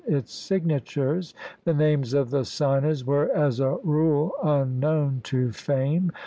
its signatures ; the names of the signers were, as a rule, unknown to fame.